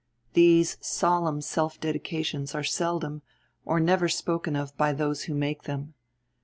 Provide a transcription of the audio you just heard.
These solemn self dedications are seldom or never spoken of by those who make them.